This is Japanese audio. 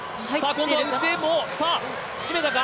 今度は腕も締めたか？